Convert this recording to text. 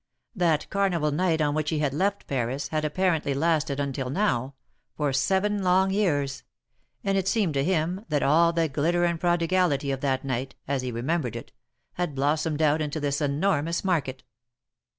That Carnival night on which he had left Paris had apparently lasted until now — for seven long years — and it seemed to him that all the glitter and prodigality of that night, as he remembered it, had blossomed out into this enormous market.